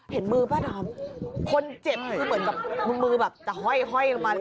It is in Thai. เห็นมือป้าดอมคนเจ็บคือเหมือนกับมือแบบจะห้อยลงมา